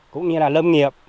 cũng như là lâm nghiệp